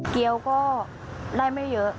เกี้ยวก็ได้ไม่เยอะ